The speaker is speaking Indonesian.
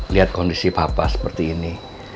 lihat kondisi papa seperti ini